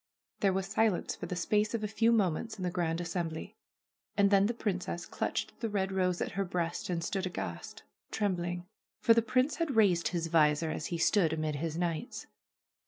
There was silence for the space of a few moments in the grand assembly. And then the princess clutched the red rose at her breast and stood aghast, trembling. For the prince had raised his visor as he stood amid his knights.